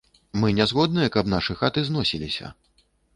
Мы не згодныя, каб нашы хаты зносіліся.